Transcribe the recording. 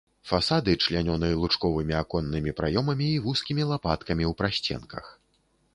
Фасады члянёны лучковымі аконнымі праёмамі і вузкімі лапаткамі ў прасценках.